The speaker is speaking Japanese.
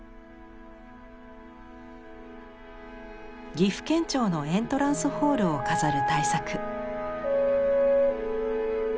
岐阜県庁のエントランスホールを飾る大作。